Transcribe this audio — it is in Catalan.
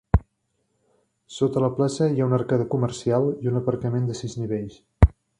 Sota la plaça hi ha una arcada comercial i un aparcament de sis nivells.